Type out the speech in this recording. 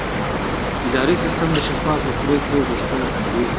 اداري سیستم د شفافو پریکړو غوښتنه کوي.